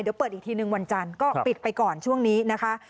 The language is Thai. เดี๋ยวเปิดอีกทีหนึ่งวันจันทร์ก็ปิดไปก่อนช่วงนี้นะคะ